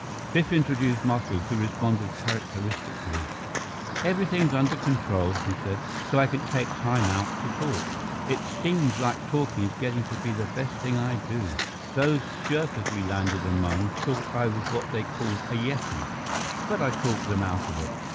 Biff introduced Muscles, who responded characteristically. "Everything's under control," he said, "so I can take time out to talk. It seems like talking is getting to be the best thing I do. Those Sherpas we landed among thought I was what they called a Yeti, but I talked them out of it.